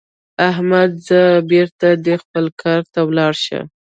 احمده؛ ځه بېرته دې خپل کار ته ولاړ شه.